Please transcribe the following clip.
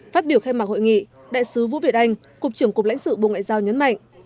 phát biểu khai mạc hội nghị đại sứ vũ việt anh cục trưởng cục lãnh sự bộ ngoại giao nhấn mạnh